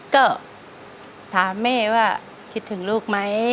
ก็ถามแม่ว่าคิดถึงลูกไหม